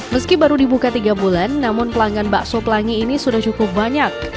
meski baru dibuka tiga bulan namun pelanggan bakso pelangi ini sudah cukup banyak